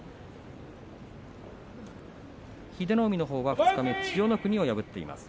英乃海のほうは千代の国を破っています。